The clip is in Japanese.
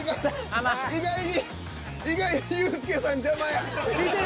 意外に意外にユースケさん邪魔や。